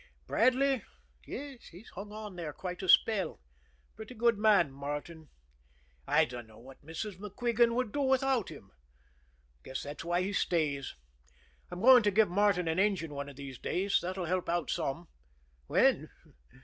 Bradley? Yes; he's hung on there quite a spell. Pretty good man, Martin. I dunno what Mrs. MacQuigan would do without him. Guess that's why he stays. I'm going to give Martin an engine one of these days. That'll help out some. When?